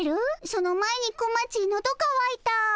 その前に小町のどかわいた。